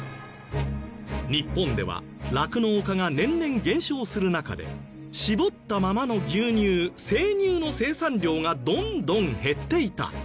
日本では酪農家が年々減少する中で搾ったままの牛乳生乳の生産量がどんどん減っていた。